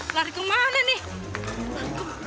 lari ke mana nih